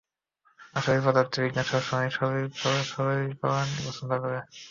আসলে পদার্থবিজ্ঞান সব সময় সরলীকরণ পছন্দ করে।